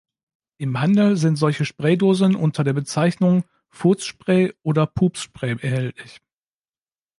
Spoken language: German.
Im Handel sind solche Spraydosen unter der Bezeichnung „Furz-Spray“ oder „Pups-Spray“ erhältlich.